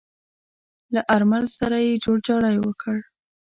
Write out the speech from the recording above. له آرمل سره يې جوړجاړی وکړ.